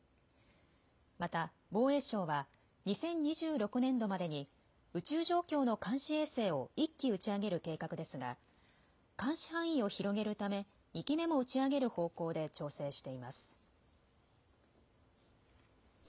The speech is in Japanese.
また防衛省は２０２６年度までに宇宙状況の監視衛星を１基打ち上げる計画ですが監視範囲を広げるため２基目も打ち上げる方向で調整しています。